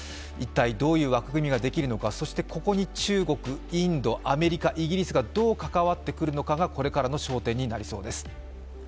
一体どういう枠組みができるのか、そしてここに中国、インドアメリカ、イギリスがどう関わってくるかがこれからの焦点になりそうです。